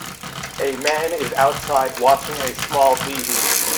A man is outside watching a small TV.